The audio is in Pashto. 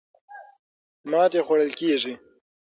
ماتې خوړل کېږي.